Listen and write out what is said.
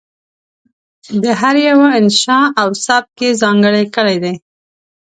د هر یوه انشأ او سبک یې ځانګړی کړی دی.